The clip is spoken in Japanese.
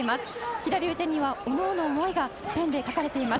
左腕には思いがペンで書かれています。